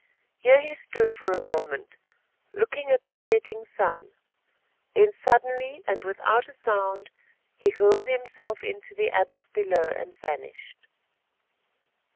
Here he stood for a moment looking at the setting sun, then suddenly, and without a sound, he hurled himself into the abyss below and vanished.